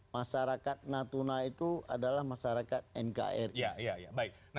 masyarakat natuna itu adalah masyarakat nkri